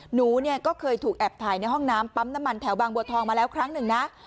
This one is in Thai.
หนูเนี่ยก็เคยถูกแอบถ่ายในห้องน้ำปั๊มน้ำมันแถวบางบัวทองมาแล้วครั้งหนึ่งนะ